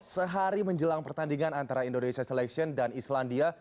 sehari menjelang pertandingan antara indonesia selection dan islandia